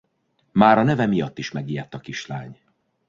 Már a neve miatt is megijedt a kislány.